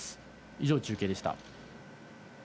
以上、中継でした。